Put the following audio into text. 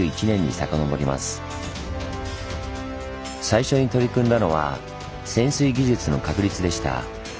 最初に取り組んだのは潜水技術の確立でした。